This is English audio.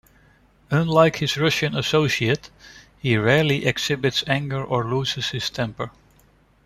Unlike his Russian associate, he rarely exhibits anger or loses his temper.